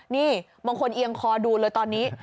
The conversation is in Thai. นี่บางคนเอียงคอดูเลยตอนนี้